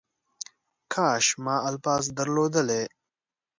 کاش ما الفاظ درلودلی .